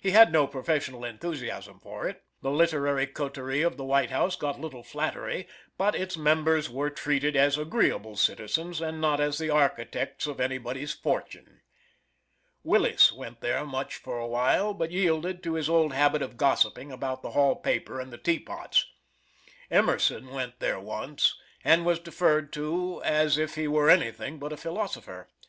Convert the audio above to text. He had no professional enthusiasm for it. The literary coterie of the White House got little flattery but its members were treated as agreeable citizens and not as the architects of any body's fortune. Willis went there much for awhile, but yielded to his old habit of gossiping about the hall paper and the teapots. Emerson went there once, and was deferred to us if he were anything but a philosopher.